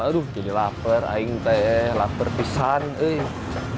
aduh jadi lapar aing lapar pisang